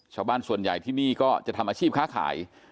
ชาวบ้านส่วนใหญ่ที่นี่ก็จะทำอาชีพค้าขาย